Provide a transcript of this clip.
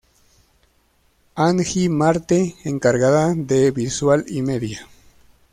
Angie Marte encargada de visual y media.